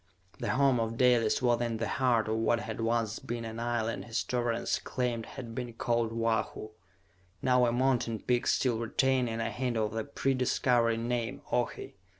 The home of Dalis was in the heart of what had once been an island historians claimed had been called Oahu, now a mountain peak still retaining a hint of the pre Discovery name: Ohi.